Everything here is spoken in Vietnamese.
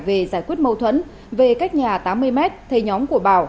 về giải quyết mâu thuẫn về cách nhà tám mươi m thầy nhóm của bảo